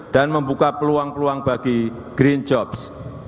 dan membuka peluang peluang bagi green jobs